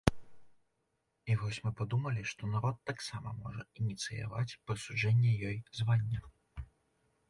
І вось мы падумалі, што народ таксама можа ініцыяваць прысуджэнне ёй звання.